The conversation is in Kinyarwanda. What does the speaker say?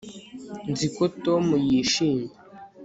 nzi ko tom yishimye